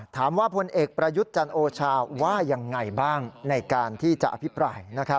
ถามว่าผลเอกประยุทธ์จันทร์โอชาวว่ายังไงบ้างในการที่จะอภิปรัย